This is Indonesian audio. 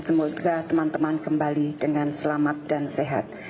semoga teman teman kembali dengan selamat dan sehat